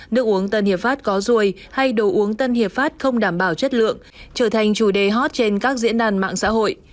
nước uống tân hiệp pháp có ruồi hay đồ uống tân hiệp pháp không đảm bảo chất lượng trở thành chủ đề hot trên các diễn đàn mạng xã hội